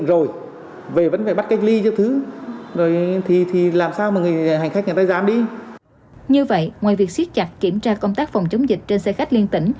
đến nay mới chỉ có một số tỉnh thành phố công bố nên dẫn đến việc xuyết chặt kiểm tra công tác phòng chống dịch trên xe khách liên tỉnh